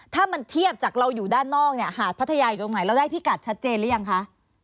ถ้ามันเทียบจากเราอยู่ด้านนอกเนี่ยหาดพัทยาอยู่ตรงไหนเราได้พิกัดชัดเจนหรือยังคะ